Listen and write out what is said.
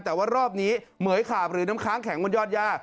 แต่ว่ารอบนี้เหมือยขาบหรือน้ำค้างแข็งบนยอดย่า